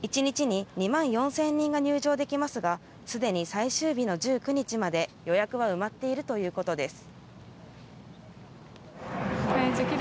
一日２万４０００人が入場できますが、すでに最終日の１９日まで予約は埋まっているということです。